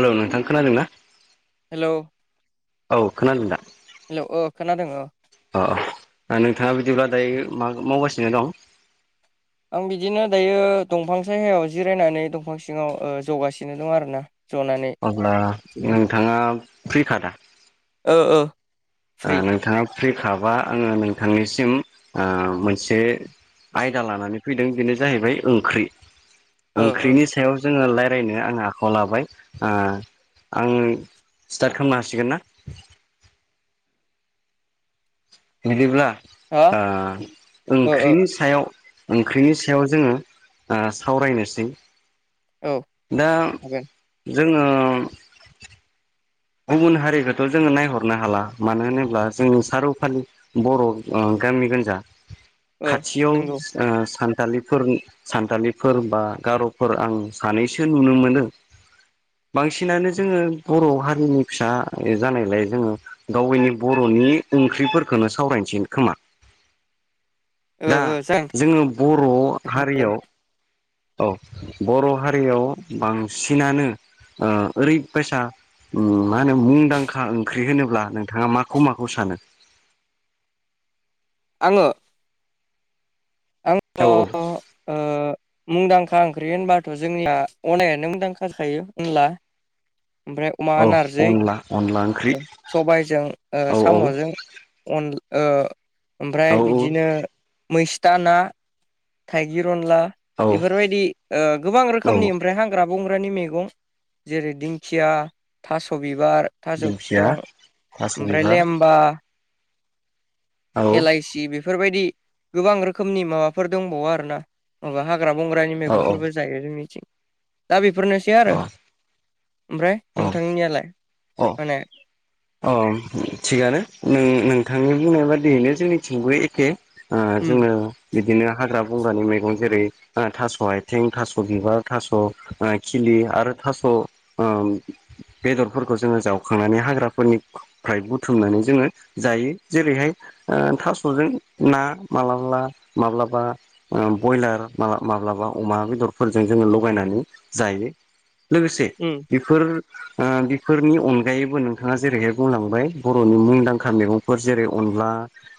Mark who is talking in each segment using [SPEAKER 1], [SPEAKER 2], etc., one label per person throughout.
[SPEAKER 1] हेल' नोंथां खोनादोंना?
[SPEAKER 2] हेलौ
[SPEAKER 1] औ खोनादों दा
[SPEAKER 2] हेलौ ओ खोनादों ओ
[SPEAKER 1] अ ओ नोंथाङा बिदिब्ला दायो मा मावगासिनो दं?
[SPEAKER 2] आं बिदिनो दायो दंफां सहायाव जिरायनानै दंफां सिङाव ओ जौगासिनो दं आरोना। जनानै
[SPEAKER 1] अब्ला
[SPEAKER 2] बिदिनो
[SPEAKER 1] नोंथाङा फ्रिखादा?
[SPEAKER 2] ओ ओ
[SPEAKER 1] ओ
[SPEAKER 2] फ्रि
[SPEAKER 1] नोंथाङा फ्रिखाबा आङो नोंथांनिसिम ओ मोनसे आयदा लानानै फैदों बेनो जाहैबाय ओंख्रि
[SPEAKER 2] ओ ओ
[SPEAKER 1] ओंख्रिनि सायाव जोङो लाइ रायलायनो आंङो आखायाव लाबाय ओ आं स्टार्ट खालामनो हासिगोन ना? बिदिब्ला
[SPEAKER 2] हा
[SPEAKER 1] ओ
[SPEAKER 2] ओ ओ
[SPEAKER 1] ओंख्रिनि सायाव ओंख्रिनि सायाव जोङो ओ सावरायनोसै।
[SPEAKER 2] औ
[SPEAKER 1] दा
[SPEAKER 2] हागोन।
[SPEAKER 1] जोङो गुबुन हारिखौथ' जोङो नायहरनो हाला मानो होनोब्ला जोंनि सारौ फालि बर' अ गामि गोनजा
[SPEAKER 2] ओ
[SPEAKER 1] खाथियाव
[SPEAKER 2] नंगौ
[SPEAKER 1] ओ सान थालिफोर सानथालिफोर बा गार'फोर आं सानैसो नुनो मोनो। बांसिनानो जोङो बर'आवहा हारिनि फिसा जानायलाय जोङो गावैनि बर'नि ओंख्रिफोरखौनो सावरायनोसै खोमा।
[SPEAKER 2] ओ
[SPEAKER 1] दा
[SPEAKER 2] ओ जागोन
[SPEAKER 1] जोङो बर'
[SPEAKER 2] जागोन
[SPEAKER 1] हारियाव औ बर' हारियाव बांसिनानो ओ ओरैबायसा उम मा होनो मुंदांखा ओंख्रि होनोब्ला नोंथाङा माखौ माखौ सानो? [inaudible]
[SPEAKER 2] आङो। आंथ'
[SPEAKER 1] औ
[SPEAKER 2] ओ मुंदांखा ओंख्रि होनबाथ' जोंनिया अनायानो मुंदांखा थायो अनला। ओमफ्राय अमा
[SPEAKER 1] औ
[SPEAKER 2] नारजै
[SPEAKER 1] अनला अनला ओंख्रि
[SPEAKER 2] सबायजों ओ
[SPEAKER 1] औ औ
[SPEAKER 2] साम'जों अन ओ
[SPEAKER 1] औ
[SPEAKER 2] ओमफ्राय बिदिनो मैस्था ना थाइगिर अनला
[SPEAKER 1] औ
[SPEAKER 2] बेफोरबायदि ओ गोबां
[SPEAKER 1] औ
[SPEAKER 2] रोखोमनि ओमफ्राय हाग्रा बं ग्रानि मैगं जेरै दिंखिया थास'बि बिबार थाजौ
[SPEAKER 1] दिंखिया
[SPEAKER 2] फिथं
[SPEAKER 1] थास'
[SPEAKER 2] ओमफ्राय
[SPEAKER 1] बिबार
[SPEAKER 2] लेमबा
[SPEAKER 1] औ
[SPEAKER 2] एलाइसि बेफोरबायदि गोबां रोख रोखोमनि माबाफोर दंबावो आरोना माबा हाग्रा बंग्रानि
[SPEAKER 1] औ
[SPEAKER 2] मैगंफोरबो जायो जोंनिथिं दा बेफोरनोसै
[SPEAKER 1] अ
[SPEAKER 2] आरो ओमफ्राय
[SPEAKER 1] अ
[SPEAKER 2] नोंथांनियालाय
[SPEAKER 1] अ
[SPEAKER 2] माने
[SPEAKER 1] अ थिगानो नों-नोंथांनि बुंनाय बादियैनो जोंनिथिंबो एखे ओ
[SPEAKER 2] उम
[SPEAKER 1] जोङो बिदिनो हाग्रा बंग्रानि मैगं जेरै ओ थास' आथिं थास' बिबार थास' खिलि लि आरो थास ओ बेदरफोरखौ जोंङो जावखांनानै हाग्रा फोरनिफ्राय बुथुमनानै जोङो जायो जेरैहाय ओ थास'जों ना माब्लाबा माब्लाबा ओ ब्रयलार माब्लाबा अमा बेदरफोरजों जोङो लगायनानै जायो लोगोसे
[SPEAKER 2] उम
[SPEAKER 1] बेफोर ओ बेफोरनि अनगायैबो नों नोंथाङा जेरैहाय बुंलांबाय बर'नि मुंदांखा मैगंफोर जेरै अनला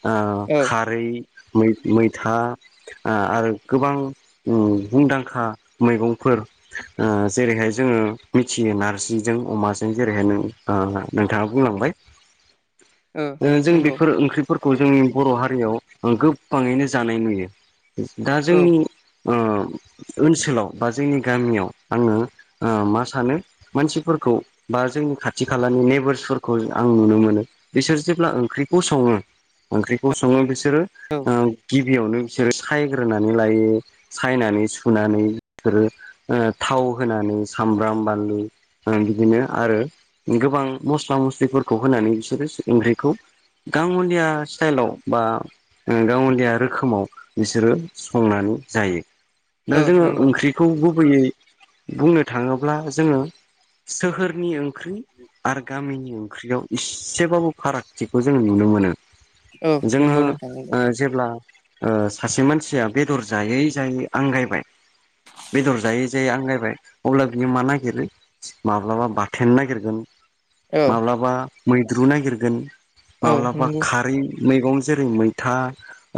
[SPEAKER 1] ओ खारै मै-मैथा आरो गोबां मुंदांखा मैगंफोर ओ जेरैहाय जोङो मिथियो नारजिजों अमाजों जेरैहाय नों ओ नोंथाङा बुंलांबाय ओ जों बेफोर ओंख्रि फोरखौ जोंनि बर' हारियाव ओ गोबाङैनो जानाय नुयो दा
[SPEAKER 2] औ
[SPEAKER 1] जोंनि ओ ओनसोलाव बा जोंनि गामियाव आङो ओ मा सानो मानसिफोर खौ बा जोंनि खाथि खालानि नेम फोरखौ आं नुनो मोनो बिसोर जेब्ला ओंख्रिखौ सङो ओंख्रिखौ सङो बिसो बिसोरो
[SPEAKER 2] औ
[SPEAKER 1] ओ गिब गिबियावनो बिसोरो सायग्रोनानै लायो सायनानै सुनानै बिसोरो थाव खौ होनानै सामब्राम बानलु बिदिनो आरो गोबां मस्ला मस्लिफोरखौ होनानै बिसोरो ओंख्रिखौ गाङलिया सिटाइलाव बा गावलिया रोखोमाव बिसोरो संनानै जायो दा
[SPEAKER 2] ओ
[SPEAKER 1] जोङो
[SPEAKER 2] नंगौ
[SPEAKER 1] ओंख्रिखौ गुबैयै बुंनो थाङोब्ला जोङो सोहोरनि ओंख्रि आरो गामिनि ओंख्रियाव इसेबाबो फारागथिखौ जों नुनो मोनो
[SPEAKER 2] औ
[SPEAKER 1] जोङो
[SPEAKER 2] नंगौ नोंथां नंगौ
[SPEAKER 1] ओ जेब्ला ओ सासे मानसिया बेदर जायै जायै आंगायबाय बेदर जायै जायै आंगायबाय अब्ला बियो मा नागिरो माब्लाबा बाथोन नागिरगोन
[SPEAKER 2] औ
[SPEAKER 1] माब्लाबा मैद्रु नागिरगोन
[SPEAKER 2] औ
[SPEAKER 1] माब्लाबा
[SPEAKER 2] नंगौ
[SPEAKER 1] खारै मैगं जेरै मैथा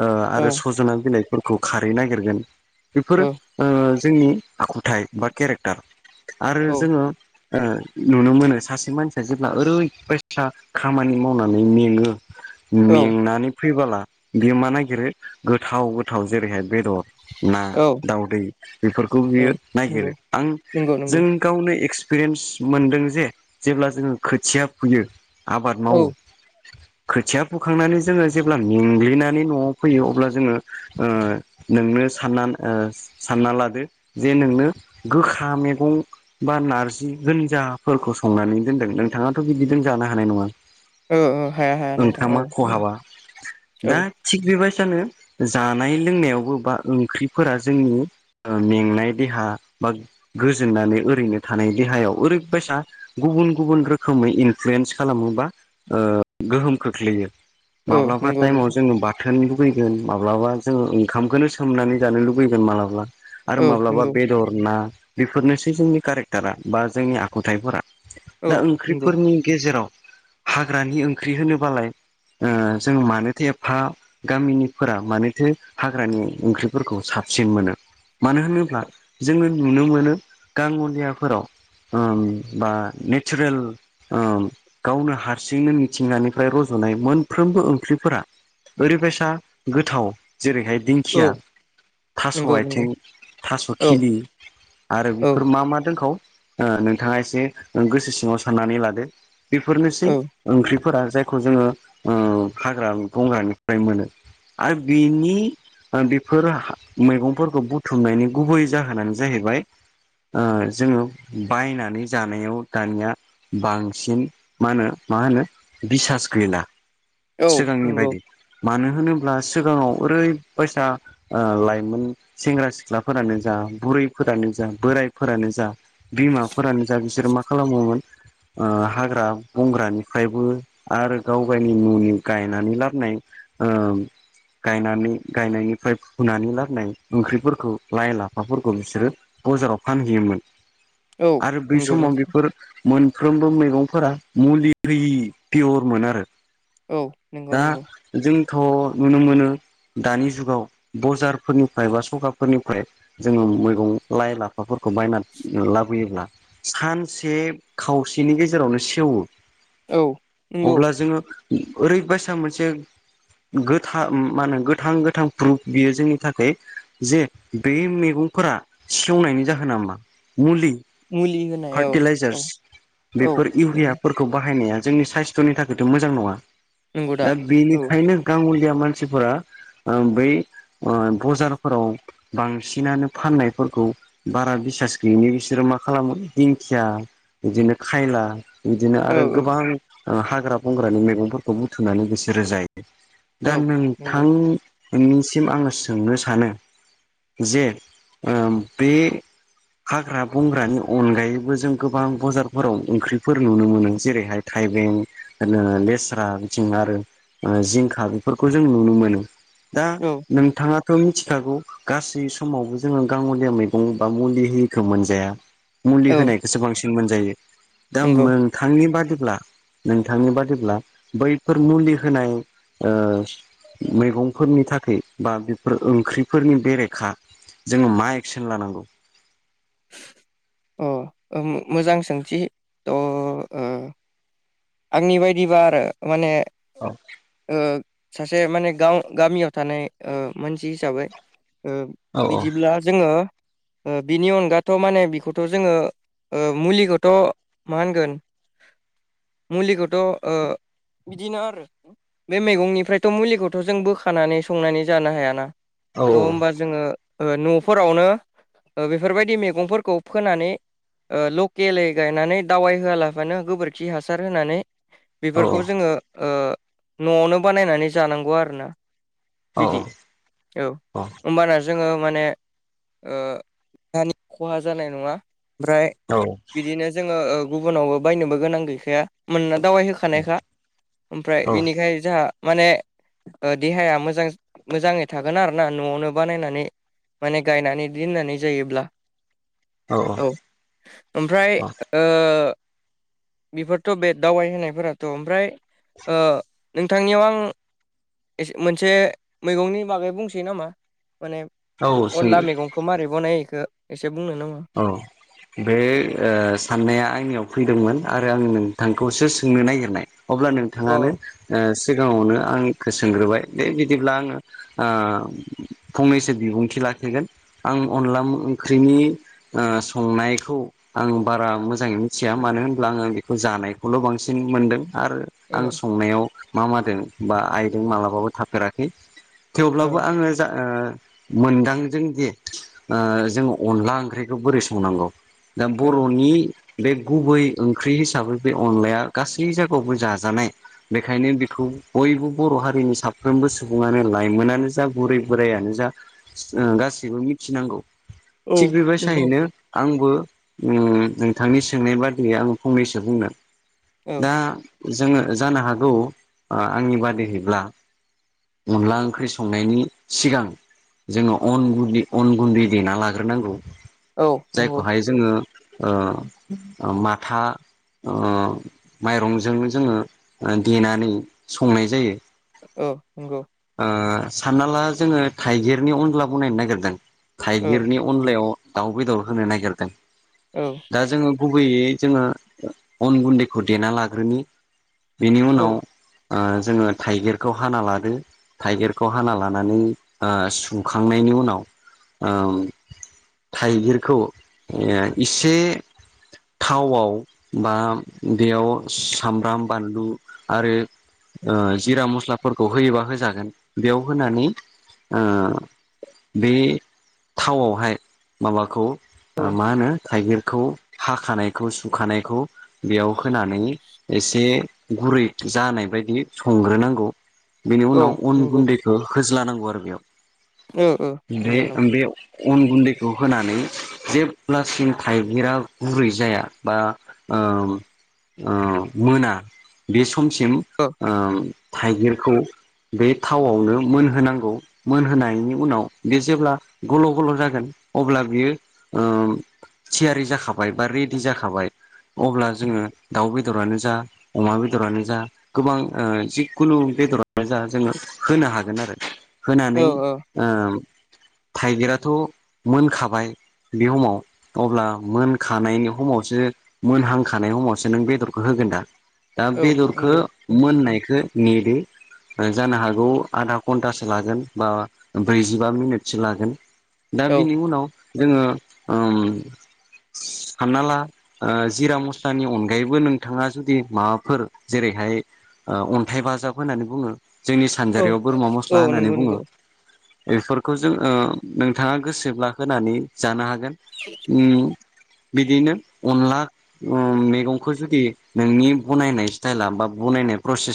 [SPEAKER 1] ओ
[SPEAKER 2] औ
[SPEAKER 1] आरो सजना बिलाइफोरखौ खारै नागिरगोन
[SPEAKER 2] औ
[SPEAKER 1] बेफोरो ओ जोंनि आखुथायाइ बा केरेक्टार आरो
[SPEAKER 2] औ
[SPEAKER 1] जोङो ओ नुनो मोनो सासे मानसि सिया जेब्ला ओरैबायैसा खामानि मावनानै मेङो
[SPEAKER 2] औ
[SPEAKER 1] मेंनानै फैबोला बेयो मा नागिरो गोथाव गोथाव जेरैहाय बेदर, ना,
[SPEAKER 2] औ
[SPEAKER 1] दाउदै बेफोरखौ
[SPEAKER 2] औ
[SPEAKER 1] बियो
[SPEAKER 2] नंगौ
[SPEAKER 1] नागिरो आं
[SPEAKER 2] नंगौ नंगौ
[SPEAKER 1] जों गावनो एक्स एक्सपिरियेन्स मोनदों जे जेब्ला जोङो खोथिया फुयो आबाद
[SPEAKER 2] औ
[SPEAKER 1] मावो खोथिया फोखांनानै जोङो जेब्ला मेंग्लिनानै न'आव फैयो अब्ला जोङो ओ नोंनो सानना ओ साननालादो जे नोंनो गोखा मैगं बा नारज गोनजाफोरखौ संनानै दोनदों नोंथाङाथ' बिदिदों जानो हानाय नङा
[SPEAKER 2] ओ ओ हाया हाया नोंथां औ
[SPEAKER 1] ओंखामा खहाबा
[SPEAKER 2] औ
[SPEAKER 1] दा थिग बेबायदि सानो जानाय लोंनायावबो बा ओंख्रिफोरा जोंनि ओ मेंनाय देहा बा गोजोननानै ओरैनो थानाय देहायाव ओरैबायसा गुबुन गुबुन रोखोमै इनफ्लुयेन्स खालामो बा गोहोम खोख्लैयो।
[SPEAKER 2] औ
[SPEAKER 1] माब्लाबा
[SPEAKER 2] नंगौ
[SPEAKER 1] टाइमाव
[SPEAKER 2] नंगौ
[SPEAKER 1] जोङो बाथोन लुबैगोन माब्लाबा जोङो ओंखामखौनो सोमनानै जानो लुबैगोन मालाब्ला आरो
[SPEAKER 2] औ
[SPEAKER 1] माब्लाबा
[SPEAKER 2] नंगौ
[SPEAKER 1] बे बेफोरनोसै जोंनि कारेक्टारा बा जोंनि आखुथायाइफोरा
[SPEAKER 2] औ
[SPEAKER 1] दा
[SPEAKER 2] नंगौ
[SPEAKER 1] ओंख्रिफोरनि गेजेराव हाग्रानि ओंख्रि होनोबालाय ओ जों मानोथो एफा गामिनिफोरा मानोथो हाग्रानि ओंख्रिफोरखौ सा बसिन मोनो। मानो होनोब्ला जोङो नुनो मोनो गाङलियाफोराव ओम बा ने नेचारेल ओ गावनो हारसिंनो मिथिंगानिफ्राय रज'नाय मोनफ्रोमबो ओंख्रिफोरा ओरैबायसा गोथाव जेरैहाय
[SPEAKER 2] औ
[SPEAKER 1] दिंखिया थास'
[SPEAKER 2] नंगौ
[SPEAKER 1] आथिं,
[SPEAKER 2] नंगौ
[SPEAKER 1] थास'
[SPEAKER 2] औ
[SPEAKER 1] खिलि आरो
[SPEAKER 2] औ
[SPEAKER 1] बेफोर मा मा दोंखाव ओ नोंथाङा एसे गोसो सिङाव साननानै लादो। बेफोरनोसै
[SPEAKER 2] औ
[SPEAKER 1] ओंख्रै फोरा जायखौ जोङो ओ हाग्रा बंग्रानिफ्राय मोनो आरो बिनि ओ बेफोर हा मैगंफोरखौ बुथुमनायनि गुबै जाहोनानो जाहैबाय ओ जोङो बायनानै जानायाव दानिया बांसिन मा होनो मा होनो बिसास गैला।
[SPEAKER 2] औ
[SPEAKER 1] सिगांनि
[SPEAKER 2] नंगौ।
[SPEAKER 1] बायदि मानो होनोब्ला सिगाङाव ओरैबायसा ओ लाइमोन सेंग्रा सिख्लाफोरानो जा बुरैफोरानो जा बोरायफोरानो जा बिमाफोरानो जा बिसोरो मा खालामोमोन ओ हाग्रा बंग्रानिफ्रायबो आरो गाव गावनि न'नि गायनानै लाबनाय [inaudible] ओ गायनानै गायनायनिफ्राय फुनानै लाबोनाय ओंख्रिफोरखौ लाइ लाफाफोरखौ बिसोरो बजाराव फानहैयोमोन
[SPEAKER 2] औ
[SPEAKER 1] आरो बै
[SPEAKER 2] नंगौ
[SPEAKER 1] समाव
[SPEAKER 2] नोंथां
[SPEAKER 1] बेफोर मोनफ्रोमबो मैगंफोरा मुलि होयि पियरमोन आरो।
[SPEAKER 2] औ नंगौ नंगौ।
[SPEAKER 1] थ' नुनो मोनो दानि जुगाव बजारफोरनिफ्राय बा सखाफोरनिफ्राय जोङो मैगं लाइ लाफाफोरखौ बायनानै लाबोयोब्ला सानसे खावसेनि गेजेरावनो सेवो
[SPEAKER 2] औ नंगौ
[SPEAKER 1] अब्ला जोङो ओरैबायसा मोनसे गोथा मा होनो गोथां गोथां प्रुफ बियो जोंनि थाखाय जे बे मेगं फोरा सेवनायनि जाहोन नामा? मुलि
[SPEAKER 2] मुलि होनाय औ औ
[SPEAKER 1] फार्टिलाइजार्स
[SPEAKER 2] औ
[SPEAKER 1] बेफोर
[SPEAKER 2] नंगौ
[SPEAKER 1] इउरियाफोरखौ बाहायनाया जोंनि साइस्थ'नि थाखायथ' मोजां नङा।
[SPEAKER 2] नंगौ
[SPEAKER 1] दा
[SPEAKER 2] औ
[SPEAKER 1] बेनिखायनो गाङलिया मानसिफोरा ओ बै ओ बजारफोराव बांसिनानो फाननायफोरखौ बारा बिसास गैयिनि बिसोरो मा खालामो दिंखिया बिदिनो खायला बिदिनो
[SPEAKER 2] औ
[SPEAKER 1] आरो
[SPEAKER 2] औ
[SPEAKER 1] गोबां ओ हाग्रा बंग्रानि मेगंफोरखौ बुथुमनानै बिसोरो जायो। दा
[SPEAKER 2] औ नंगौ
[SPEAKER 1] नोंथां निसिम आङो सोंनो सानो जे ओ बे हाग्रा बंग्रानि अनगायैबो जों गोबां बजारफोराव ओंख्रिफोर नुनो मोनो जेरैहाय थाइबें ओ लेस्रा बिथिं आरो ओ जिंखा बेफोरखौ जों नुनो मोनो। दा
[SPEAKER 2] औ
[SPEAKER 1] नोंथाङा मिथिखागौ गासै समावबो जोङो गावलिया मैगं बा मुलि होयिखौ मोनजाया। मुलि
[SPEAKER 2] औ
[SPEAKER 1] होनायखौसो बांसिन मोनजायो दा
[SPEAKER 2] नंगौ
[SPEAKER 1] मोनथांनि बादि ब्ला नोंथांनि बादिब्ला बैफोर मुलि होनाय ओ मैगंफोरनि थाखाय बा बेफोर ओंख्रिफोरनि बेरेखा जोङो मा एक्सन लानांगौ?
[SPEAKER 2] अ ओ मोजां सोंथि थ' ओ आंनि बायदिबा आरो माने
[SPEAKER 1] औ
[SPEAKER 2] ओ सासे माने गाव गामियाव थानाय ओ मोन मानसि हिसाबै ओ
[SPEAKER 1] औ औ
[SPEAKER 2] बिदिब्ला जोङो ओ बिनि अनगाथ' माने बेखौथ' जोङो ओ मुलिखौथ' मा होनगोन
[SPEAKER 1] [inaudible]
[SPEAKER 2] मुलिखौथ' ओ बिदिनो आरो बे मैगंनिफ्रायथ' मुलिखौथ' जों बोखानानै संनानै जानो हायाना
[SPEAKER 1] औ
[SPEAKER 2] थ' होमबा जोङो न'फोरावनो बेफोरबायदि मैगंफोरखौ फोनानै ओ लकेलै गायनानै दावाइ होआलाबानो गोबोरखि हा सार होनानै बेफोरखौ जोङो ओ न'आवनो बानायनानै जानांगौ आरोना बिदि
[SPEAKER 1] औ
[SPEAKER 2] औ होमबाना जोङो माने ओ दानि खहा जानाय नङा ओमफ्राय बिदिनो जोङो गुबुनावबो बायनोबो गोनां गैखायाना दावाइ होखानायखा ओमफ्राय बिनिखाय जोंहा माने देहाया मोजां मोजाङै थागोन आरोना न'आवनो बानायनानै माने गायनानै दोननानै जायोब्ला औ ओमफ्राय ओ बेफोरथ' बे दावबाय होनोनायफोराथ' ओमफ्राय ओ नोंथांनियाव आं एसे मोनसे मैगंनि बागै बुंसै नामा माने
[SPEAKER 1] सों
[SPEAKER 2] अनला मैगंखौ मारै बनायो बेखौ
[SPEAKER 1] औ बे ओ साननाया आंनियाव फैदोंमोन आरो आं नोंथांखौसो सोंनो नागिरनाय अब्ला
[SPEAKER 2] अ
[SPEAKER 1] नोंथाङानो ओ सिगाङावनो आंखौ सोंग्रोबाय बे बिदिब्ला आङो ओ फंनैसो बिबुंथि ला खिगोन आं अनला ओंख्रिनि ओ संनायखौ आं बारा मोजाङै मिथिया मानो होनब्ला आङो बेखौ जानायखौल' बांसिन मोनदों आरो आं
[SPEAKER 2] औ
[SPEAKER 1] संनायाव मा मादों बा आइदों मालाबाबो थाफेराखै थेवब्लाबो
[SPEAKER 2] औ
[SPEAKER 1] आङो जा मोनदांजोंदि ओ जों अनला ओंख्रि बेखौ बोरै संनांगौ दा
[SPEAKER 2] औ
[SPEAKER 1] बर'नि बे गुबै ओंख्रि हिसाबै बे अनलाया गासै जायगायावबो जाजानाय बेखायनो बेखौ बयबो बर' हारिनि साफ्रोमबो सुबुङानो लाइमोनानो जा बुरै बोरायानो जा गासैबो मिथिनांगौ
[SPEAKER 2] औ
[SPEAKER 1] थिग
[SPEAKER 2] नंगौ
[SPEAKER 1] बेबायसायैनो आंबो नोंथांनि सोंनाय बादियै आं फंनैसो बुंदों
[SPEAKER 2] औ
[SPEAKER 1] दा जोङो जानो हागौ आंनि बादिहैब्ला अनला ओंख्रि संनायनि सिगां जोङो अन गु अन गुन्दै देना लाग्रोनांगौ
[SPEAKER 2] औ नंगौ
[SPEAKER 1] जायखौहाय जोङो ओ ओ माथा अ माइरंजों जोङो देनानै संनाय जायो
[SPEAKER 2] औ नंगौ
[SPEAKER 1] ओ सानना ला जोङो थाइगिरनि अनला बनायनो नागिरदों
[SPEAKER 2] औ
[SPEAKER 1] थाइगिरनि अनलायाव दाउ बेदर होनो नागिरदों
[SPEAKER 2] औ
[SPEAKER 1] दा जोङो गु बैयै जोङो अन गुन्दैखौ देना लाग्रोनि बेनि उनाव
[SPEAKER 2] औ
[SPEAKER 1] ओ जोङो थाइगिरखौ हाना लादो थाइगिरखौ हाना लानानै ओ सुंखांनायनि उनाव ओम थाइगिरखौ इसे थावआव बा बेयाव सामब्राम बानलु आरो ओ जिरा मस्लाफोरखौ होयोबा होजागोन बेयाव होनानै ओ बे थावआवहाय माबाखौ
[SPEAKER 2] औ
[SPEAKER 1] मा होनो थाइगिर खौ हाखानायखौ सुखानायखौ बेयाव होनानै एसे गुरै जानाय बायदि संग्रोनांगौ। बेनि
[SPEAKER 2] औ
[SPEAKER 1] उनाव अन
[SPEAKER 2] नंगौ
[SPEAKER 1] गुन्दैखौ होज्ल नांगौ आरो
[SPEAKER 2] औ औ नंगौ
[SPEAKER 1] बेयाव ओमफ्राय
[SPEAKER 2] नंगौ
[SPEAKER 1] बे अन गुन्दै खौ होनानै जेब्लासिम थाइगिरा गुरै जाया बा ओ ओ मोना बे समसिम
[SPEAKER 2] औ
[SPEAKER 1] ओ थाइगिरखौ बे थावआवनो मोनहोनांगौ मोनहोनायनि उनाव बे जेब्ला गल' गल' जागोन। अब्ला बियो ओ थियारि जाखाबाय बा रेडि जाखाबाय अब्ला जोङो दाउ बेदरानो जा अमा बेदरानो जा गोबां जिखुनु बेदरनो जा जोङो होनो हागोन आरो
[SPEAKER 2] औ
[SPEAKER 1] होनानै
[SPEAKER 2] औ
[SPEAKER 1] ओ थाइगिराथ' मोनखाबाय बे समाव अब्ला मोनखानायनि समावसो मोनहांखानायाव समावसो नों बेदरखौ होगोन दा दा
[SPEAKER 2] औ
[SPEAKER 1] बेदरखौ
[SPEAKER 2] नंगौ
[SPEAKER 1] मोननायखौ नेदो जानो हागौ आधा घन्टासो लागोन बा ब्रैजिबा मिनिटसो लागोन। दा
[SPEAKER 2] औ
[SPEAKER 1] बिनि उनाव जोङो ओ सानना ला जिरा मस्लानि अनगायैबो नोंथाङा जुदि माबाफोर जेरै बेैहाय अन्थाइ बाजाब होननानै बुङो। जोंनि
[SPEAKER 2] औ
[SPEAKER 1] सानजारियाव बोरमा
[SPEAKER 2] औ
[SPEAKER 1] मस्ला होननानै
[SPEAKER 2] नंगौ
[SPEAKER 1] बुङो।
[SPEAKER 2] नंगौ
[SPEAKER 1] बेफोरखौ जों नोंथाङा गोसोब्ला होनानै जानो हागोन। बिदिनो अनला मैगंखौ जुदि नोंनि बनायनाय स्टाइला बा बनाय प्रसेस